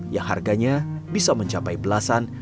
yang harganya bisa mencapai belasan